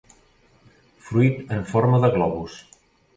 Fruit en forma de globus.